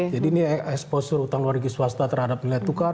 jadi ini eksposur utang luar negeri swasta terhadap nilai tukar